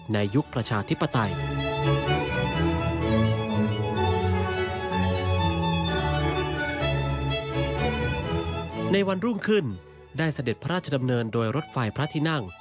ในวันรุ่งขึ้นได้เสด็จพระราชดำเนินโดยรถไฟพระธินั่ง